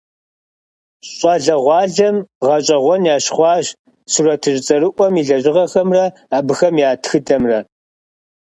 Щӏалэгъуалэм гъэщӀэгъуэн ящыхъуащ сурэтыщӀ цӀэрыӀуэм и лэжьыгъэхэмрэ абыхэм я тхыдэмрэ.